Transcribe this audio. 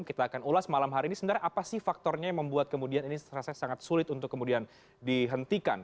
kita akan ulas malam hari ini sebenarnya apa sih faktornya yang membuat kemudian ini rasanya sangat sulit untuk kemudian dihentikan